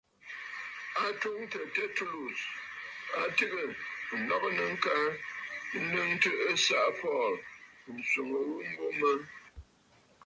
A twoŋə̀ Tertullus, a tɨgə̀ ǹlɔgɨnə ŋka nnɨŋtə ɨsaʼa Paul, ǹswoŋə ghu mbo mə.